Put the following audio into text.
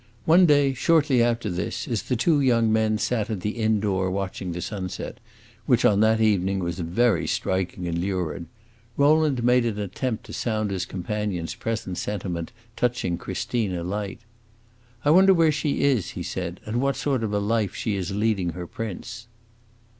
One day, shortly after this, as the two young men sat at the inn door watching the sunset, which on that evening was very striking and lurid, Rowland made an attempt to sound his companion's present sentiment touching Christina Light. "I wonder where she is," he said, "and what sort of a life she is leading her prince."